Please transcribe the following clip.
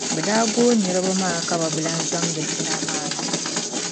bɛ daa gooi niriba maa ka bɛ bi lan zaŋdi pina maa na.